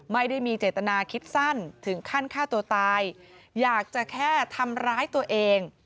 ไม่ได้มีเจตนาคิดสั้นถึงขั้นฆ่าตัวตายอยากจะแค่ทำร้ายตัวเอง